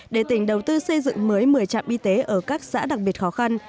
để tỉnh đầu tư xây dựng mới một mươi trạm y tế ở các xã đặc biệt khó khăn